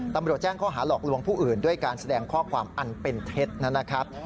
ตำรวจแจ้งข้อหาหลอกลวงผู้อื่นด้วยการแสดงข้อความอันเป็นเท็จนะครับ